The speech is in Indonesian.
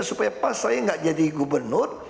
supaya pas saya nggak jadi gubernur